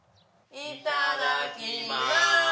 いただきます！